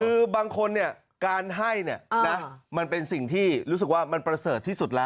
คือบางคนการให้มันเป็นสิ่งที่รู้สึกว่ามันเบรอดที่สุดแล้ว